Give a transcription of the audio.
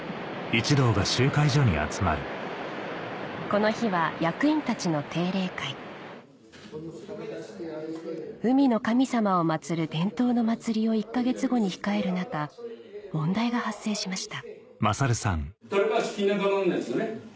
この日は役員たちの定例会海の神様を祭る伝統の祭りを１か月後に控える中問題が発生しました